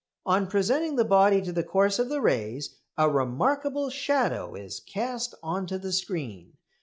On presenting the body to the course of the rays a remarkable shadow is cast on to the screen.